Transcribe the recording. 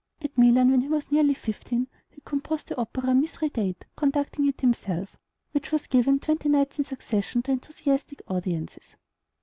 At Milan, when he was nearly fifteen, he composed the opera "Mithridate," conducting it himself, which was given twenty nights in succession to enthusiastic audiences.